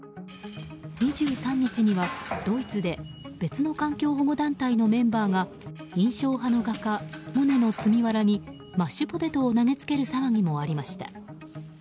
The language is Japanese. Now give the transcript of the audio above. ２３日にはドイツで別の環境保護団体のメンバーが印象派の画家モネの「積みわら」にマッシュポテトを投げつける騒ぎもありました。